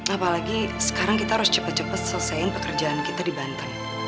apalagi sekarang kita harus cepat cepat selesaikan pekerjaan kita di banten